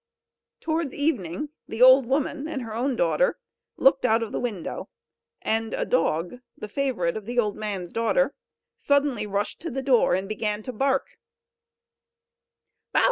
Towards evening the old woman and her own daughter looked out of the window, and a dog, the favourite of the old man's daughter, suddenly rushed to the door, and began to bark: "Bow!